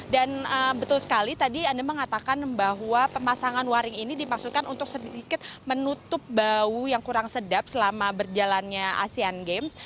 dan betul sekali tadi anda mengatakan bahwa pemasangan waring ini dimaksudkan untuk sedikit menutup bau yang kurang sedap selama berjalannya asean games